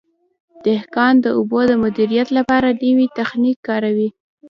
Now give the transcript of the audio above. دهقان د اوبو د مدیریت لپاره نوی تخنیک کاروي.